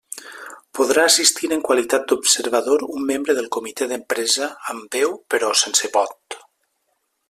Podrà assistir en qualitat d'observador un membre del Comitè d'empresa, amb veu però sense vot.